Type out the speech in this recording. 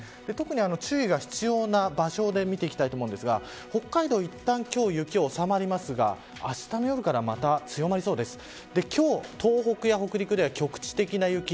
特に注意が必要な場所で見ていきたいですが北海道、いったん今日は雪が収まりますがあしたの夜からまた強まりそうです。